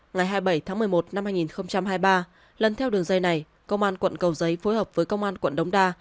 ngày hai mươi bảy tháng một mươi một năm hai nghìn hai mươi ba lần theo đường dây này công an quận cầu giấy phối hợp với công an quận đống đa